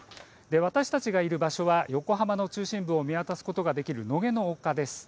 私たちがいる場所は横浜の中心部を見渡すことができる野毛の丘です。